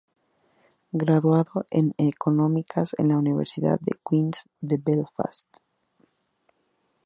Graduado en Económicas en la Universidad Queen’s de Belfast.